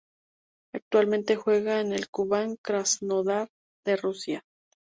Actualmente juega en el Kubán Krasnodar de Rusia.